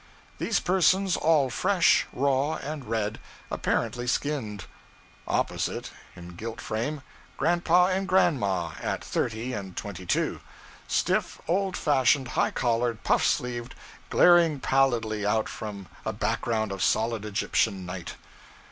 These persons all fresh, raw, and red apparently skinned. Opposite, in gilt frame, grandpa and grandma, at thirty and twenty two, stiff, old fashioned, high collared, puff sleeved, glaring pallidly out from a background of solid Egyptian night.